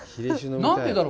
何でだろう。